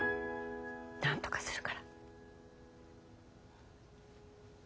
なんとかするから。